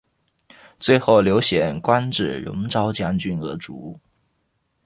最后刘显官至戎昭将军而卒。